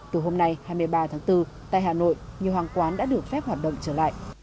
từ hôm nay hai mươi ba tháng bốn tại hà nội nhiều hàng quán đã được phép hoạt động trở lại